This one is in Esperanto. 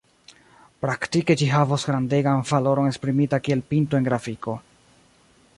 Praktike ĝi havos grandegan valoron esprimita kiel pinto en grafiko.